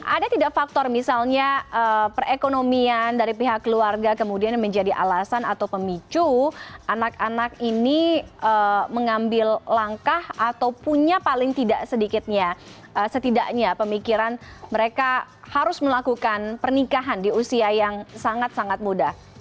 ada tidak faktor misalnya perekonomian dari pihak keluarga kemudian menjadi alasan atau pemicu anak anak ini mengambil langkah atau punya paling tidak sedikitnya setidaknya pemikiran mereka harus melakukan pernikahan di usia yang sangat sangat muda